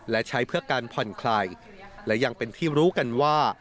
และใช้เพื่อการผ่อนคลายและยังเป็นที่รู้กันว่า